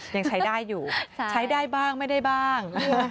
ยังใช้ได้อยู่ใช้ได้บ้างไม่ได้บ้าง